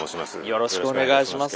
よろしくお願いします。